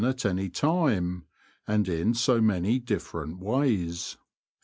at any time, and in so many different ways.